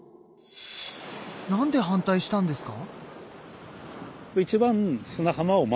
なんで反対したんですか？